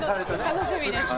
楽しみです。